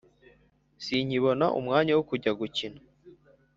Sinkibona umwanya wo kujya gukina